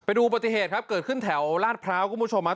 ดูปฏิเหตุครับเกิดขึ้นแถวลาดพร้าวคุณผู้ชมครับ